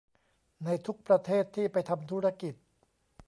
ในทุกประเทศที่ไปทำธุรกิจ